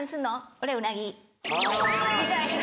「俺うなぎ」みたいな。